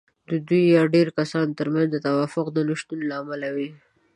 د دوو يا ډېرو کسانو ترمنځ د توافق د نشتون له امله وي.